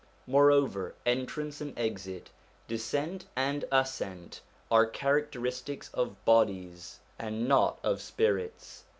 Moreover, entrance and exit, descent and ascent, are characteristics of bodies and not of spirits.